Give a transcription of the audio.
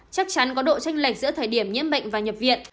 chắc chắn có độ tranh lệch giữa thời điểm nhiễm bệnh và nhập viện